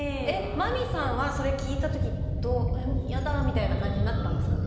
真美さんはそれ聞いた時やだみたいな感じになったんですか？